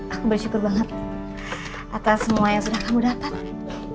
aku bersyukur banget atas semua yang sudah kamu dapatkan